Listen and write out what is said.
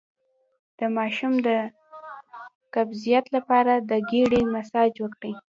د ماشوم د قبضیت لپاره د ګیډې مساج وکړئ